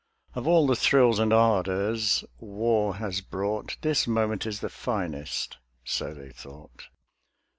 Of all the thrills and ardours War has brought, This moment is the finest." (So they thought.)